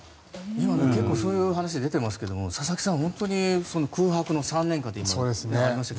今、結構そういう話が出ていますが佐々木さん、本当に空白の３年間というのが今ありましたが。